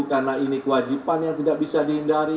karena ini kewajiban yang tidak bisa dihindari